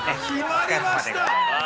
◆お疲れさまでございます。